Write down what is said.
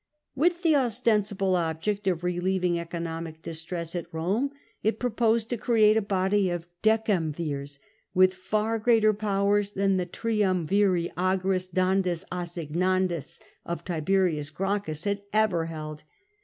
With the ostensible object of relieving economic distress at Rome, THE LAW OF EULLUS i8r it proposed to create a body of Decemvirs, with far greater powers than the Triummn ago'is dmdis assignandis of Tiberius Gracchus had ever held.